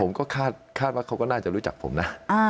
ผมก็คาดว่าเขาก็น่าจะรู้จักผมนะ